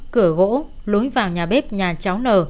cửa gỗ lối vào nhà bếp nhà cháu n